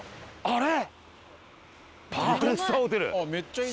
あれ？